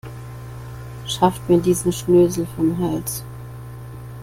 Schafft mir diesen Schnösel vom Hals.